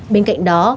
bên cạnh đó